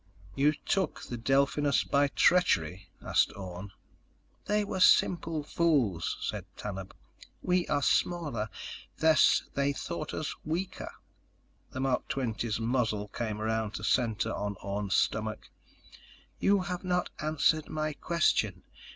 "You took the Delphinus by treachery?" asked Orne. "They were simple fools," said Tanub. "We are smaller, thus they thought us weaker." The Mark XX's muzzle came around to center on Orne's stomach. "You have not answered my question.